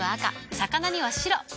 魚には白。